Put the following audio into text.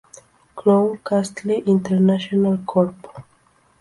Crown Castle International Corp.